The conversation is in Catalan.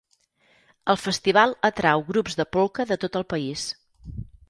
El festival atrau grups de polca de tot el país.